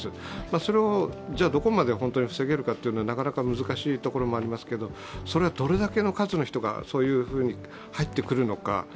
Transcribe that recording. それをどこまで防げるのかはなかなか難しいと思いますけどそれはどれだけの数の人がそういうふうに入ってくるのか。